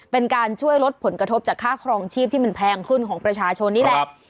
เป็นการช่วยลดผลกระทบจากค่าครองชีพที่มันแพงขึ้นของประชาชนนี่แหละ